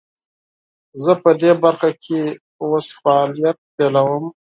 زه پدي برخه کې اوس فعالیت پیلوم.